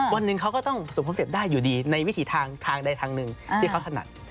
วันหนึ่งเขาก็ต้องสมความเสร็จได้อยู่ดีในวิถีทางทางใดทางหนึ่งที่เขาถนัด